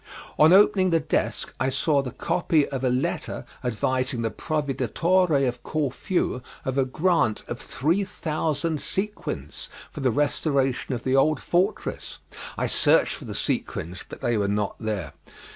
On opening the desk I saw the copy of a letter advising the Proveditore of Corfu of a grant of three thousand sequins for the restoration of the old fortress. I searched for the sequins but they were not there.